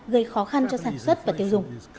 gây khó khăn cho sản xuất và tiêu dùng